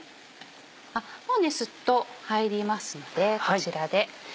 あっもうスッと入りますのでこちらで。